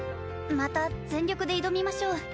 また全力で挑みましょう。